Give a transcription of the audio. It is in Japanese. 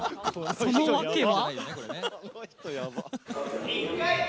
その訳は。